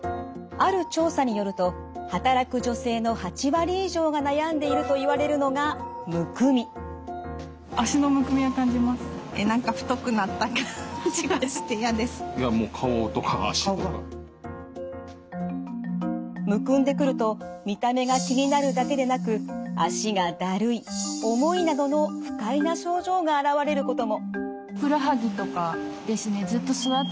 ある調査によると働く女性の８割以上が悩んでいるといわれるのがむくんでくると見た目が気になるだけでなく脚がだるい重いなどの不快な症状が現れることも。